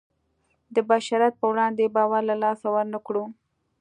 د بشریت په وړاندې باور له لاسه ورنکړو.